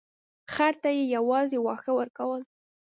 خر ته یې یوازې واښه ورکول.